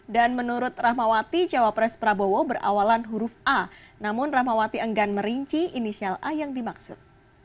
dan menurut rahmawati cawapres prabowo berawalan huruf a namun rahmawati enggan merinci inisial a yang dimaksud